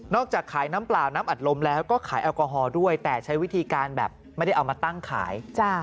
จากขายน้ำเปล่าน้ำอัดลมแล้วก็ขายแอลกอฮอล์ด้วยแต่ใช้วิธีการแบบไม่ได้เอามาตั้งขาย